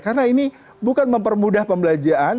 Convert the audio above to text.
karena ini bukan mempermudah pembelanjaan